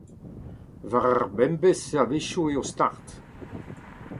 War ar pemdez a-wechoù eo start.